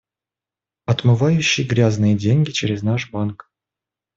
Отмывающий грязные деньги через наш банк.